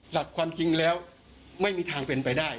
หลักความจริงแล้วไม่มีทางเป็นไปได้